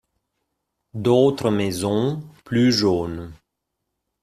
D'autres maisons plus jaunes.